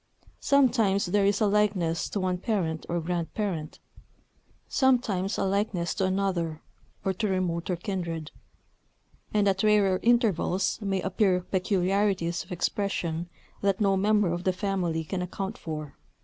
Sometimes there is a likeness to one parent or grandparent; sometimes a likeness to another, or to remoter kindred; and at rarer intervals may appear peculiarities of expression that no member of the family can account for.